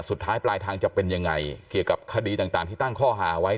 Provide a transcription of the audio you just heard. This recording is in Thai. สุดท้ายปลายทางจะเป็นยังไงเกี่ยวกับคดีต่างที่ตั้งข้อหาไว้